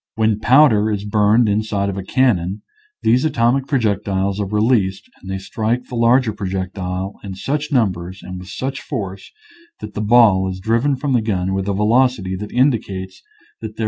When pow der is burned inside of a cannon these atomic projectiles are released and they strike the larger projectile in such numbers and with such force that the ball is driven from the gun with a velocity that indicates that there was / I